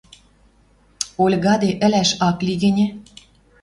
Ольгаде ӹлӓш ак ли гӹньӹ?..